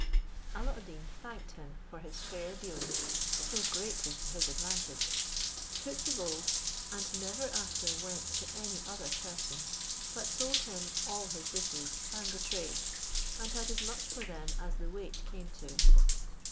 Alla ad Deen thanked him for his fair dealing, so greatly to his advantage, took the gold, and never after went to any other person, but sold him all his dishes and the tray, and had as much for them as the weight came to.